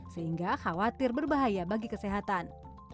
sehingga khawatir berbahaya bagi kesehatan